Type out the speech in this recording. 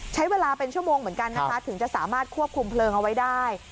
ใช้เวลาเป็นชั่วโมงเหมือนกันนะคะถึงจะสามารถควบคุมเพลิงเอาไว้ได้